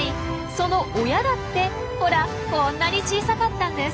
その親だってほらこんなに小さかったんです。